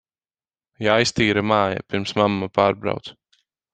Jāiztīra māja, pirms mamma pārbrauc.